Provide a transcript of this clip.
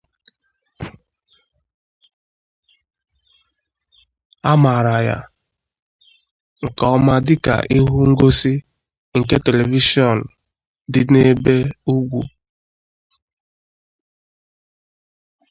A maara ya nke ọma dịka ihu ngosi nke telivishọn dị n'ebe ugwu.